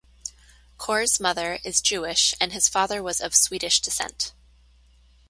Kors' mother is Jewish and his father was of Swedish descent.